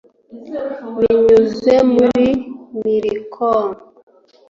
Binyuze muri Millicom